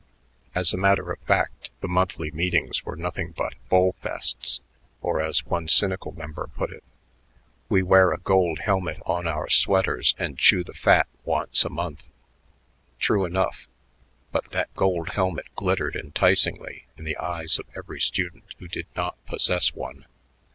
As a matter of fact, the monthly meetings were nothing but "bull fests," or as one cynical member put it, "We wear a gold helmet on our sweaters and chew the fat once a month." True enough, but that gold helmet glittered enticingly in the eyes of every student who did not possess one.